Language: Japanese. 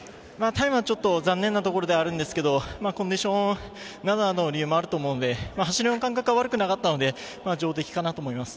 タイムは残念なところではあるんですけどコンディションなどなどの理由もあると思うので走りの感覚は悪くなかったので、上出来かなと思います。